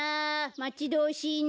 まちどおしいな。